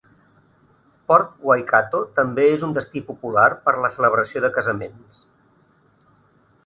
Port Waikato també és un destí popular per a la celebració de casaments